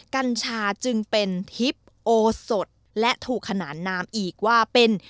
กัญชาจึงเป็นทิพย์โอสดและถูกขนานนามอีกว่าเป็น